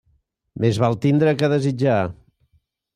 Més val tindre que desitjar.